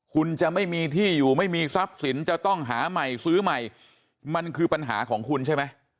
คุณจะไม่มีที่อยู่ไม่มีทรัพย์สินจะต้องหาใหม่ซื้อใหม่มันคือปัญหาของคุณใช่ไหม